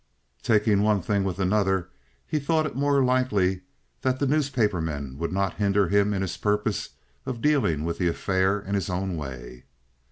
Taking one thing with another, he thought it more than likely that the newspaper men would not hinder him in his purpose of dealing with the affair in his own way.